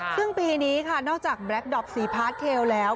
ซึ่งปีนี้ค่ะนอกจากแบล็คดอปสีพาร์ทเทลแล้ว